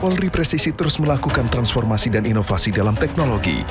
polri presisi terus melakukan transformasi dan inovasi dalam teknologi